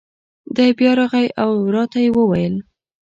دی بیا راغی او را ته یې وویل: